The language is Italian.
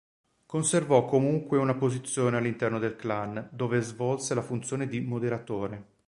Conservò comunque una posizione all'interno del clan, dove svolse la funzione di "moderatore".